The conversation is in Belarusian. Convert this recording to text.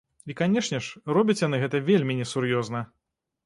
І, канешне ж, робяць яны гэта вельмі несур'ёзна!